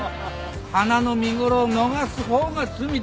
花の見頃を逃す方が罪だよ罪。